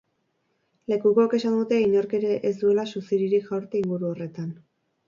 Lekukoek esan dute inork ere ez duela suziririk jaurti inguru horretan.